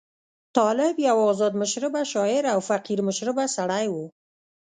طالب یو آزاد مشربه شاعر او فقیر مشربه سړی وو.